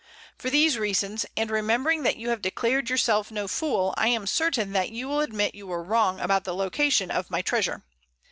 For these reasons, and remembering that you have declared yourself no fool, I am certain that you will admit you were wrong about the location of my treasure.